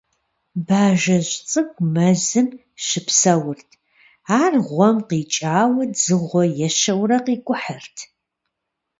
Бажэжь цӀыкӀу мэзым щыпсэурт. Ар гъуэм къикӀауэ дзыгъуэ ещэурэ къикӀухьырт.